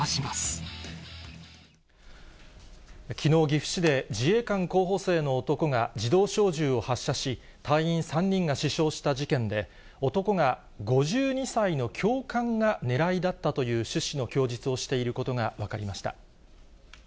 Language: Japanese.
きのう、岐阜市で自衛官候補生の男が自動小銃を発射し、隊員３人が死傷した事件で、男が、５２歳の教官が狙いだったという趣旨の供述をしていることが分かりました。